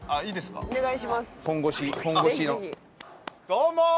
どうも！